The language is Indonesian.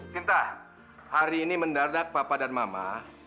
sinta hari ini mendadak papa dan mama